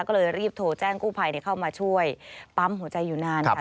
ก็เลยรีบโทรแจ้งกู้ภัยเข้ามาช่วยปั๊มหัวใจอยู่นานค่ะ